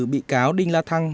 bị cáo đinh la thăng